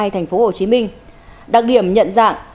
thành phố hồ chí minh đặc điểm nhận dạng